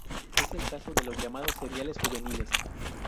Es el caso de los llamados seriales juveniles.